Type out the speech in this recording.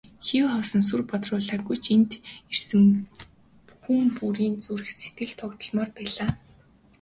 Хий хоосон сүр бадруулаагүй ч энд ирсэн хүн бүрийн зүрх сэтгэл догдолмоор байлаа.